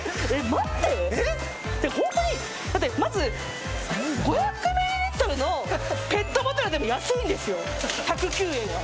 だってまず５００ミリリットルのペットボトルでも安いんですよ、１０９円は。